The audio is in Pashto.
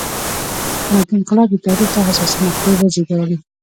صنعتي انقلاب د تاریخ حساسې مقطعې وزېږولې.